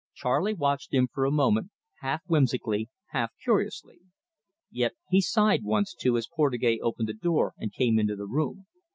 Charley watched him for a moment, half whimsically, half curiously. Yet he sighed once too as Portugais opened the door and came into the room.